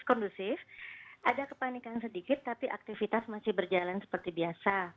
kondusif ada kepanikan sedikit tapi aktivitas masih berjalan seperti biasa